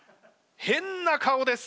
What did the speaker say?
変な顔です。